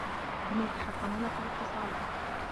هم يتحكمون في الاتصالات.